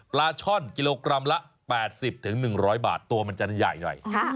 ปลาช่อนกิโลกรัมละ๘๐๑๐๐บาทตัวมันจะใหญ่หน่อย